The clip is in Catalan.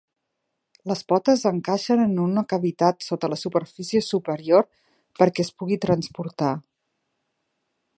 Les potes encaixen en una cavitat sota la superfície superior perquè es pugui transportar.